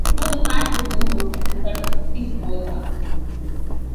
Some of the fat is removed as a result of the cooking over charcoal.